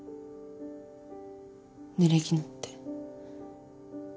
ぬれぎぬって。